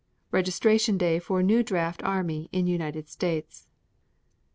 Registration day for new draft army in United States.